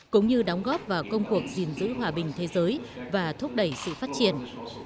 cũng như đóng góp vào công cuộc gìn giữ hòa bình thế giới và thúc đẩy sự phát triển